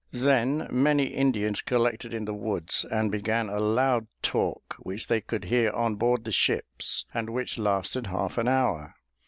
Then many Indians collected in the woods and began a loud talk which they could hear on board the ships and which lasted half an hour.